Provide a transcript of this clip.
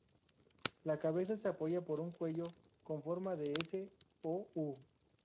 La cabeza se apoyaba por un cuello con forma de "S" o "U".